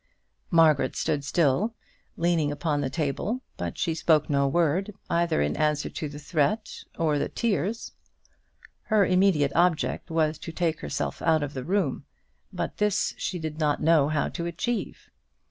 Margaret stood still, leaning upon the table, but she spoke no word, either in answer to the threat or to the tears. Her immediate object was to take herself out of the room, but this she did not know how to achieve.